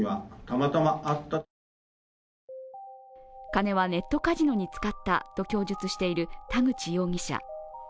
金はネットカジノに使ったと供述している田口容疑者。